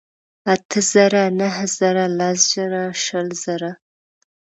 اتۀ زره ، نهه زره لس ژره شل زره